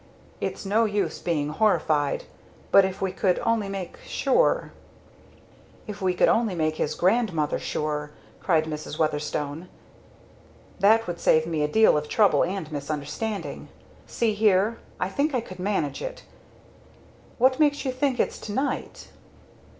"It's no use being horrified. But if we could only make sure " "If we could only make his grandmother sure!" cried Madam Weatherstone. "That would save me a deal of trouble and misunderstanding. See here I think I can manage it what makes you think it's to night?"